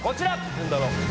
何だろ？え！